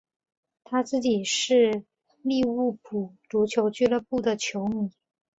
他自己是利物浦足球俱乐部的球迷。